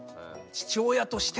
「父親として！」